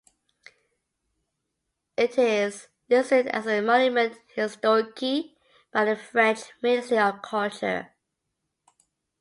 It is listed as a "monument historique" by the French Ministry of Culture.